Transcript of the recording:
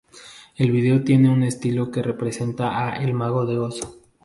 El vídeo tiene un estilo que representa a El Mago de Oz.